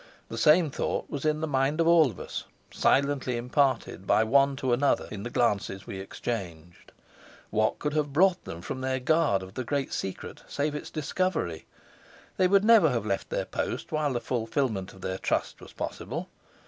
The same thought was in the mind of all of us, silently imparted by one to another in the glances we exchanged. What could have brought them from their guard of the great secret, save its discovery? They would never have left their post while the fulfilment of their trust was possible.